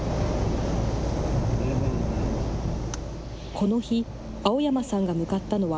この日、青山さんが向かったのは、